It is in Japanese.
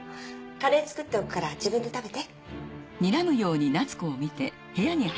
カレー作っておくから自分で食べて。